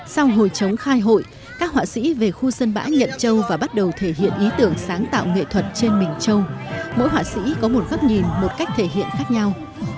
sau hồi chống khai hội các họa sĩ về khu sân bã nhận châu và bắt đầu thể hiện ý tưởng sáng tạo nghệ thuật trên mình châu